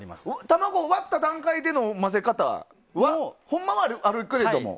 卵を割った段階での混ぜ方はほんまはあるけれども。